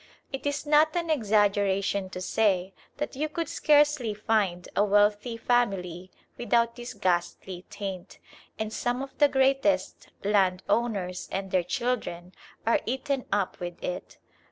It is not an exaggeration to say that you could scarcely find a wealthy family without this ghastly taint; and some of the greatest land owners and their children are eaten up with it.